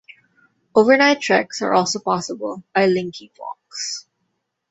Overnight treks are also possible by linking walks.